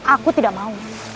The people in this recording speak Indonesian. aku tidak mau